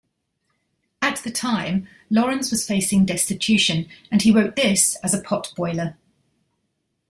At the time Lawrence was facing destitution and he wrote this as a potboiler.